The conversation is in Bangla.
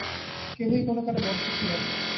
কেহই কোন কালে বদ্ধ ছিল না।